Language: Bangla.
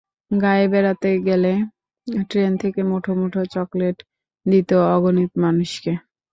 গাঁয়ে বেড়াতে গেলে ট্রেন থেকে মুঠো মুঠো চকলেট দিত অগণিত মানুষকে।